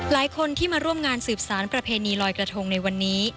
หลายคนที่มาร่วมงานสืบสารประเพณีลอยกระทงในวันนี้